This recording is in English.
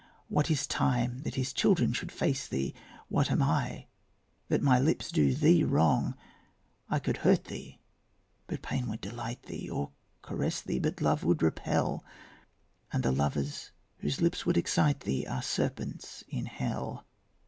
What is time, that his children should face thee? What am I, that my lips do thee wrong? I could hurt thee but pain would delight thee; Or caress thee but love would repel; And the lovers whose lips would excite thee Are serpents in hell.